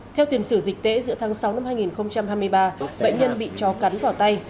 theo tiền sử dịch tễ giữa tháng sáu năm hai nghìn hai mươi ba bệnh nhân bị chó cắn vào tay